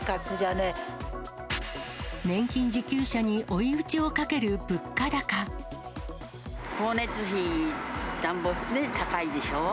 年金受給者に追い打ちをかけ光熱費、暖房ね、高いでしょ。